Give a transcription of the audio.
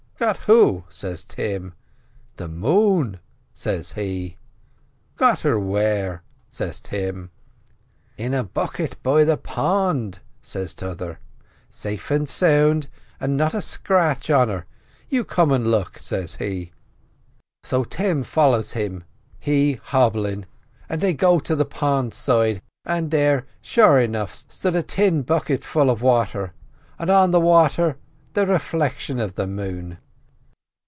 "'Got who?' says Tim. "'The moon,' says he. "'Got her where?' says Tim. "'In a bucket down by the pond,' says t'other, 'safe an' sound an' not a scratch on her; you come and look,' says he. So Tim follows him, he hobblin', and they goes to the pond side, and there, sure enough, stood a tin bucket full of wather, an' on the wather the refliction of the moon.